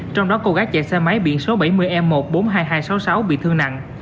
trong đó cô gái chạy xe máy biển số bảy mươi e một trăm bốn mươi hai nghìn hai trăm sáu mươi sáu bị thương nặng